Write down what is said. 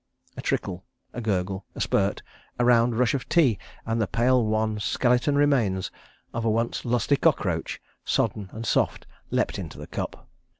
A trickle, a gurgle, a spurt, a round gush of tea—and the pale wan skeletal remnants of a once lusty cockroach, sodden and soft, leapt into the cup.